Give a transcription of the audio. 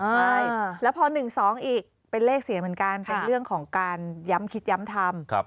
ใช่แล้วพอ๑๒อีกเป็นเลขเสียเหมือนกันเป็นเรื่องของการย้ำคิดย้ำทำ